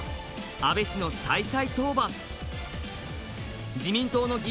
安倍氏の再々登板。